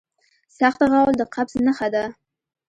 سخت غول د قبض نښه ده.